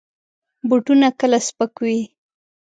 بوټونه کله سپک وي.